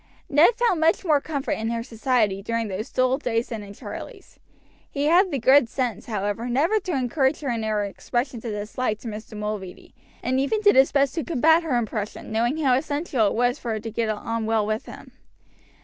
Ned found much more comfort in her society during those dull days than in Charlie's. He had the good sense, however, never to encourage her in her expressions of dislike to Mr. Mulready, and even did his best to combat her impression, knowing how essential it was for her to get on well with him.